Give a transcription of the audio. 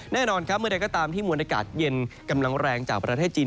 แน่นอนครับเมื่อใดก็ตามที่มวลอากาศเย็นกำลังแรงจากประเทศจีน